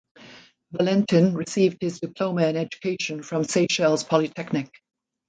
Valentin received his diploma in education from Seychelles Polytechnic.